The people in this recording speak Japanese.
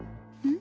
ん。